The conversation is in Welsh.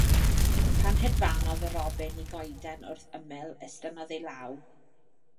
Pan hedfanodd y robin i goeden wrth ymyl estynnodd ei llaw.